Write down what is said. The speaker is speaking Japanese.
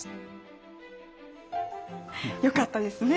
よかったですね